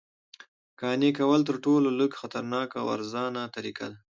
قانع کول تر ټولو لږ خطرناکه او ارزانه طریقه ده